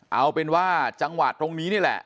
เอาเป็นว่าจังหวะตรงนี้นี่แหละ